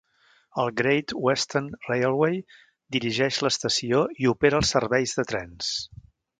El "Great Western Railway" dirigeix l'estació i opera els serveis de tren.